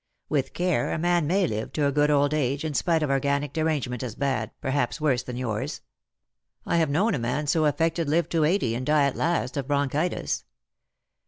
With care a man may live to a good old age, in spite of organic derangement as bad, perhaps worse ,thau yours. I have known a man so affected live to eighty, and die at last of bronchitis.